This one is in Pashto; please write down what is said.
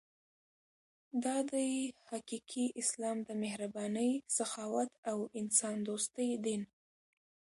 دا دی حقیقي اسلام د مهربانۍ، سخاوت او انسان دوستۍ دین.